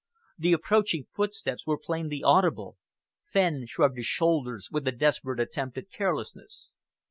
The approaching footsteps were plainly audible. Fenn shrugged his shoulders with a desperate attempt at carelessness.